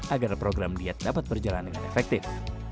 agar program diet dapat berjalan dengan efektif